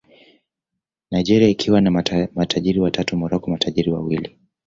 Nigeria ikiwa na matajiri watatu Morocco matajiri wawili